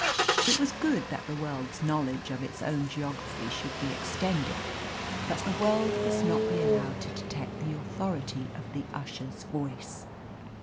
It was good that the world's knowledge of its own geography should be extended, but the world must not be allowed to detect the authority of the usher's voice.